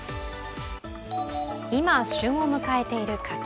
今、旬を迎えている柿。